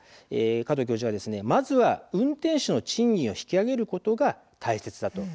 加藤教授は、まずは運転手の賃金を引き上げることが大切だ。